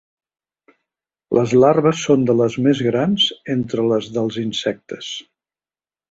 Les larves són de les més grans entre les dels insectes.